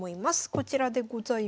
こちらでございます。